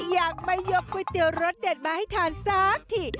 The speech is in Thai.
อยากมายกก๋วยเตี๋ยวรสเด็ดมาให้ทานสักที